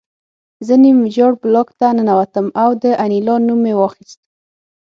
زه نیم ویجاړ بلاک ته ننوتم او د انیلا نوم مې واخیست